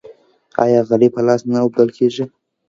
آیا غالۍ په لاس نه اوبدل کیږي؟